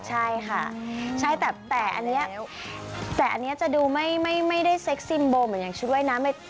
ใช่ค่ะแต่อันนี้จะดูไม่ได้เซ็กซิมโบเหมือนชุดว่ายน้ำ